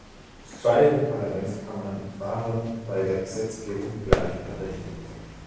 Beide Parlamentskammern waren bei der Gesetzgebung gleichberechtigt.